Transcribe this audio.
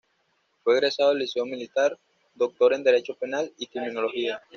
Fue egresado del Liceo Militar, doctor en Derecho Penal y Criminología.